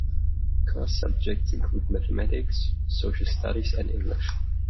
Core subjects include mathematics, social studies and English.